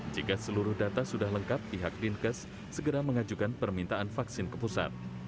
jika seluruh data sudah lengkap pihak dinkes segera mengajukan permintaan vaksin ke pusat